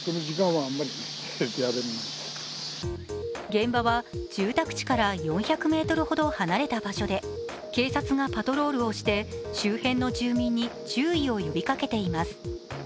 現場は住宅地から４００ｍほど離れた場所で警察がパトロールをして周辺の住民に注意を呼びかけています。